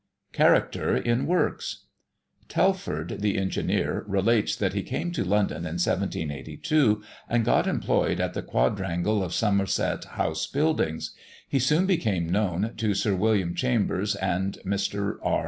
CHARACTER IN WORKS. Telford, the engineer, relates that he came to London in 1782, and got employed at the quadrangle of Somerset house buildings; he soon became known to Sir William Chambers and Mr. R.